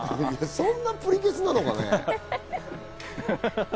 そんなプリケツなのかね？